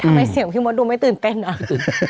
เสียงพี่มดดูไม่ตื่นเต้นอ่ะ